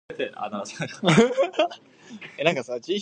Ao (mythology)